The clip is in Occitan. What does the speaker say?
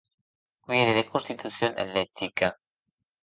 Qu'ère de constitucion atletica.